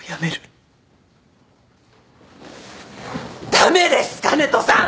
駄目です香音人さん！